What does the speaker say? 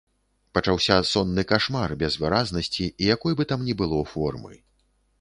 Пачаўся сонны кашмар, без выразнасці і якой бы там ні было формы.